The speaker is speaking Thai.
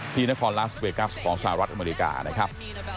ที่นครลาสเวกัสของสหรัฐอเมริกานะครับ